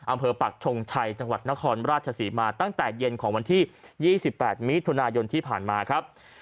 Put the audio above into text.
ปักชงชัยจังหวัดนครราชศรีมาตั้งแต่เย็นของวันที่๒๘มิถุนายนที่ผ่านมาครับ